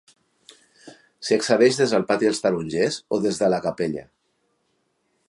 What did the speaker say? S'hi accedeix des del pati dels Tarongers o des de la Capella.